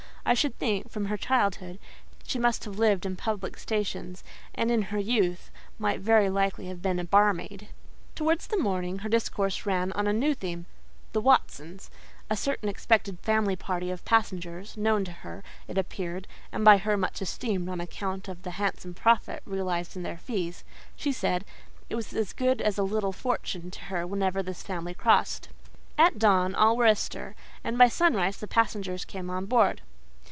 I should think, from her childhood, she must have lived in public stations; and in her youth might very likely have been a barmaid. Towards morning her discourse ran on a new theme: "the Watsons," a certain expected family party of passengers, known to her, it appeared, and by her much esteemed on account of the handsome profit realized in their fees. She said, "It was as good as a little fortune to her whenever this family crossed." At dawn all were astir, and by sunrise the passengers came on board.